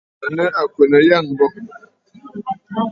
À nɨ àkwènə̀ àyâŋmbô.